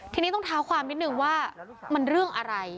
ทีนี้ต้องเท้าความนิดนึงว่ามันเรื่องอะไร